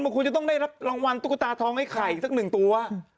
คุณจะต้องได้รางวัลตุกตาทองไอ้ไข่สักนึงตัว